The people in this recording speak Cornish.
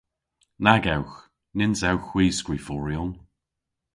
Nag ewgh! Nyns ewgh hwi skriforyon.